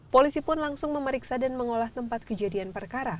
polisi pun langsung memeriksa dan mengolah tempat kejadian perkara